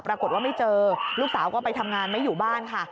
ปรากฏว่าไม่เจอลูกสาวก็ไปทำงานไม่อยู่บ้านค่ะ